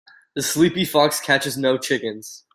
The sleepy fox catches no chickens.